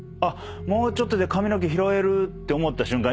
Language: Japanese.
もうちょっとで髪の毛拾えるって思った瞬間